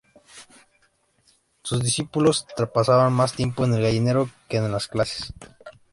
Sus discípulos pasaban más tiempo en el gallinero que en las clases.